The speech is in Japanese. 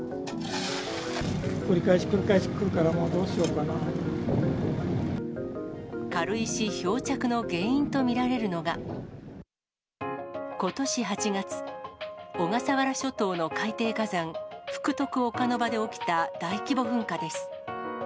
繰り返し繰り返し来るから、軽石漂着の原因と見られるのが、ことし８月、小笠原諸島の海底火山、福徳岡ノ場で起きた大規模噴火です。